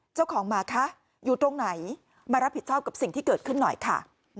เจ้าของหมาคะอยู่ตรงไหนมารับผิดชอบกับสิ่งที่เกิดขึ้นหน่อยค่ะ